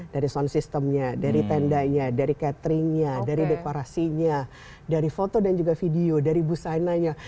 dari sound system nya dari tendanya dari catering nya dari dekorasinya dari foto dan juga video dari busananya